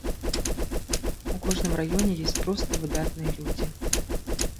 У кожным раёне ёсць проста выдатныя людзі.